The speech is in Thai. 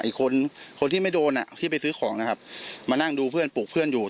อีกคนคนที่ไม่โดนอ่ะที่ไปซื้อของนะครับมานั่งดูเพื่อนปลูกเพื่อนอยู่